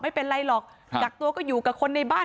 ไม่เป็นไรหรอกกักตัวก็อยู่กับคนในบ้าน